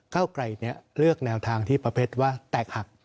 เก้าไกลเลือกแนวทางที่ประเภทว่าแตกหัก